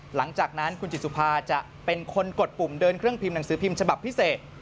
หลังจากนั้นคุณจิตสุภาจะเป็นคนกดปุ่มเดินเครื่องพิมพ์หนังสือพิมพ์ฉบับพิเศษ